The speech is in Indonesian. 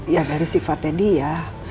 ya dari sifatnya dia